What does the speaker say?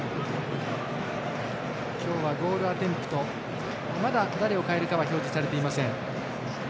今日はゴールアテンプトまだ誰を代えるかは表示されていません。